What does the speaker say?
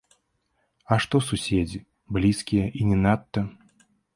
А што суседзі, блізкія і не надта?